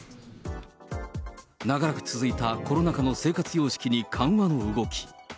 長らく続いたコロナ禍の生活様式に緩和の動き。